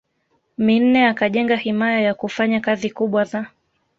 Minne akajenga himaya yakufanya kazi kubwa za